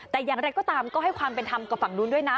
แต่อย่างไรก็ตามก็ให้ความเป็นธรรมกับฝั่งนู้นด้วยนะ